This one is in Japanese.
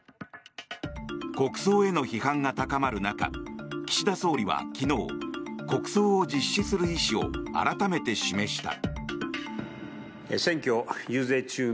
国葬への批判が高まる中岸田総理は昨日国葬を実施する意思を改めて示した。